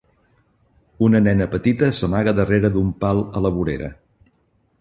Una nena petita s'amaga darrere d'un pal a la vorera.